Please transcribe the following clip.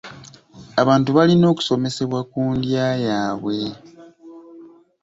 Abantu balina okusomesebwa ku ndya yaabwe.